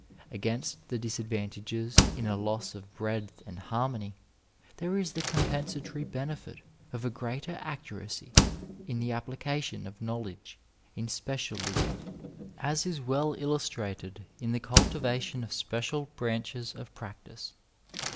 Against the disadvantages in a loss of breadth and harmony there is the compensatory benefit of a greater accuracy in the application of know ledge in specialism, as is well illustrated in the cultivation of special branches of practice.